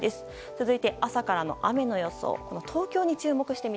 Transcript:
続いて、朝からの雨の予想